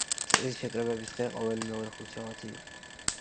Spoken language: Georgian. წრის შეკრებების დღე ყოველი მეორე ხუთშაბათი იყო.